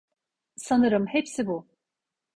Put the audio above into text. Sanırım hepsi bu.